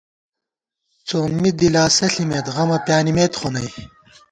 سومّی دلاسہ ݪِمېت غمہ پیانِمېت خو نئی